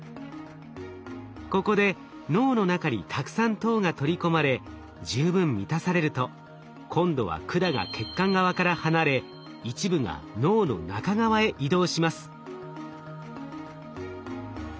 ここで脳の中にたくさん糖が取り込まれ十分満たされると今度は管が血管側から離れ一部が脳の中側へ移動します。